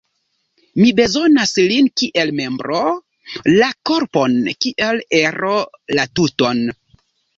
Mi bezonas lin kiel membro la korpon, kiel ero la tuton.